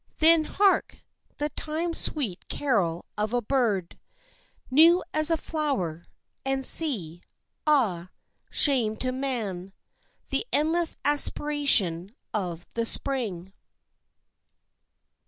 Then hark! the time sweet carol of a bird, New as a flower; and see ah, shame to man! The endless aspiration of the Spring.